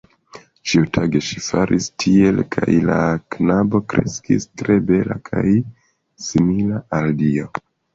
Ĉiutage ŝi faris tiele kaj la knabo kreskis tre bela kaj simila al dio.